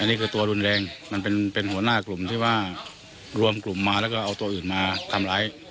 นี่คือตัวรุนแรงมันเป็นหัวหน้ากลุ่มที่ว่ารวมกลุ่มมาแล้วก็เอาตัวอื่นมาทำร้าย